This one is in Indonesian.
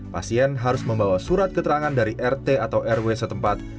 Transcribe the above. pasien harus membawa surat keterangan dari rt atau rw setempat